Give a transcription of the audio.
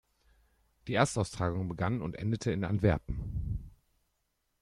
Die Erstaustragung begann und endete in Antwerpen.